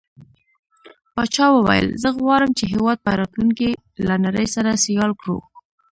پاچا وويل: زه غواړم چې هيواد په راتلونکي کې له نړۍ سره سيال کړو.